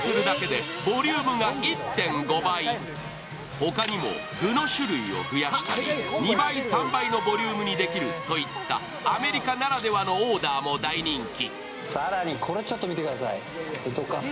ほかにも具の種類を増やしたり、２倍、３倍のボリュームにできるといったアメリカならではのオーダーも大人気。